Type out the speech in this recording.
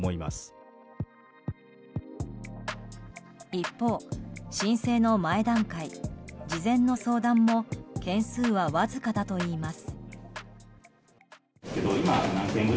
一方、申請の前段階事前の相談も件数はわずかだといいます。